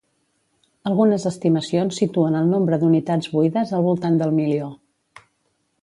Algunes estimacions situen el nombre d'unitats buides al voltant del milió.